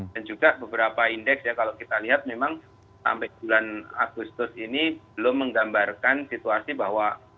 dan juga beberapa indeks ya kalau kita lihat memang sampai bulan agustus ini belum menggambarkan situasi bahwa